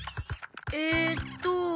えっと。